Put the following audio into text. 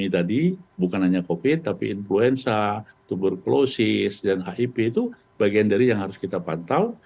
yang kita sebut dengan endemi tadi bukan hanya covid sembilan belas tapi influenza tuberculosis dan hiv itu bagian dari yang harus kita pantau